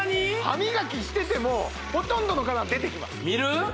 歯磨きしててもほとんどの方は出てきます見る？